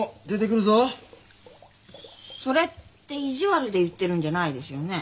それって意地悪で言ってるんじゃないですよね？